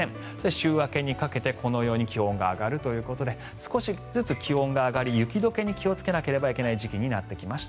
週明けにかけてこのように気温が上がるということで少しずつ気温が上がり雪解けに気をつけなければいけない時期になってきました。